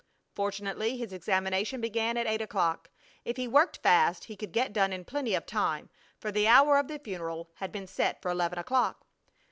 Fortunately his examination began at eight o'clock. If he worked fast he could get done in plenty of time, for the hour of the funeral had been set for eleven o'clock.